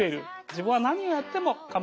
自分は何をやっても構わない。